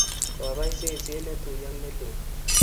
Kobai seset ne tui ak ne lel